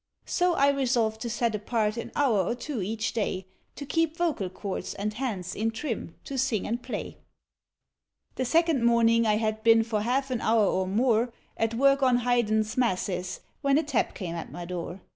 So I resolved to set apart an hour or two each day To keeping vocal chords and hands in trim to sing and play. The second morning I had been for half an hour or more At work on Haydn's masses, when a tap came at my door.